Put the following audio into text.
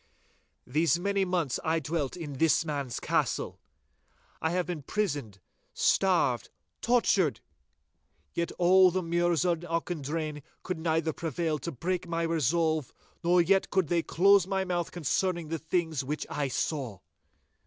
These many months I dwelt in this man's castle. I have been prisoned, starved, tortured—yet all the Mures in Auchendrayne could neither prevail to break my resolve, nor yet could they close my mouth concerning the things which I saw.